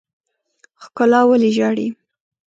ښکلا ولې ژاړي.